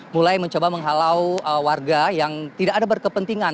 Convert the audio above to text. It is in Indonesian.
mulai mencoba menghalau warga yang tidak ada berkepentingan